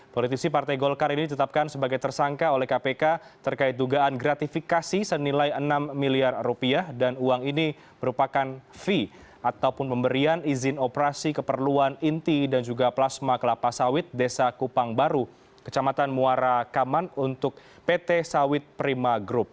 politisi partai golkar ini ditetapkan sebagai tersangka oleh kpk terkait dugaan gratifikasi senilai enam miliar rupiah dan uang ini merupakan fee ataupun pemberian izin operasi keperluan inti dan juga plasma kelapa sawit desa kupang baru kecamatan muara kaman untuk pt sawit prima group